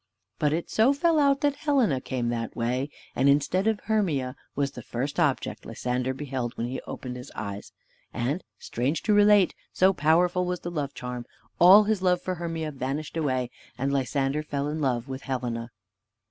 But it so fell out, that Helena came that way, and, instead of Hermia, was the first object Lysander beheld when he opened his eyes; and strange to relate, so powerful was the love charm, all his love for Hermia vanished away, and Lysander fell in love with Helena.